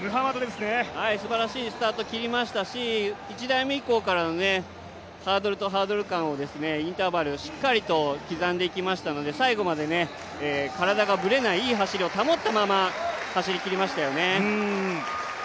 すばらしいスタートを切りましたし１台目以降からのハードルとハードル間をインターバル、しっかりと刻んできましたので最後まで、体がぶれないいい走りを保ったまま走りきりましたよね。